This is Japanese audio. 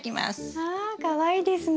わかわいいですね。